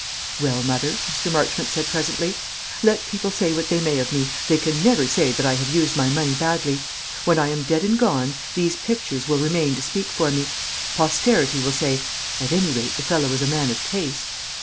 "Well, mother," Mr. Marchmont said presently, "let people say what they may of me, they can never say that I have used my money badly. When I am dead and gone, these pictures will remain to speak for me; posterity will say, 'At any rate the fellow was a man of taste.'